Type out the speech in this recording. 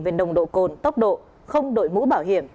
về nồng độ cồn tốc độ không đội mũ bảo hiểm